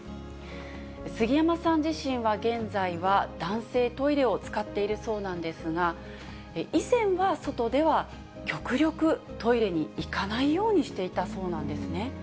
杉山さん自身は現在は、男性トイレを使っているそうなんですが、以前は外では極力トイレに行かないようにしていたそうなんですね。